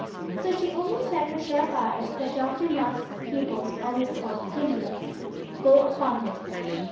So she only set her sharp eyes, that Dr. Marks' pupils always called "gimlets," full upon him.